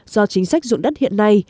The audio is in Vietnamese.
do chính sách dụng đất hiện nay